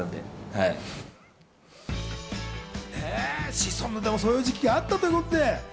シソンヌでもそういう時期があったということで。